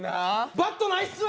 バットないっすわ！